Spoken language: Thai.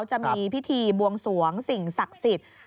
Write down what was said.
จะมีพิธีบวงสวงสิ่งศักดิ์สิทธิ์